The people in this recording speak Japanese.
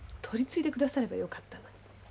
取りついでくださればよかったのに。